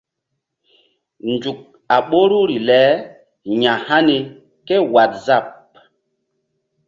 Nzuk a ɓoruri le ya̧hani kéwaazap.